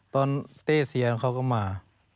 เต้เซียนเขาก็มา